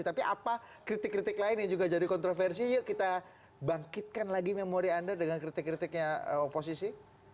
tapi apa kritik kritik lain yang juga jadi kontroversi yuk kita bangkitkan lagi memori anda dengan kritik kritiknya oposisi